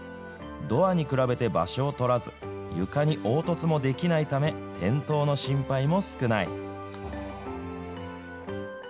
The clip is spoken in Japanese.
ドアに比べて場所を取らず、床に凹凸も出来ないため、転倒の心配も少ない。